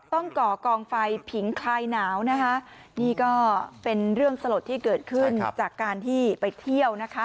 ก่อกองไฟผิงคลายหนาวนะคะนี่ก็เป็นเรื่องสลดที่เกิดขึ้นจากการที่ไปเที่ยวนะคะ